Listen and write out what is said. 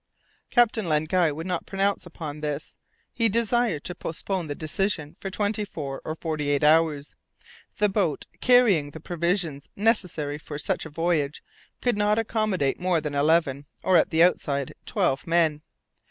Captain Len Guy would not pronounce upon this; he desired to postpone the decision for twenty four or forty eight hours. The boat, carrying the provisions necessary for such a voyage, could not accommodate more than eleven or, at the outside, twelve men.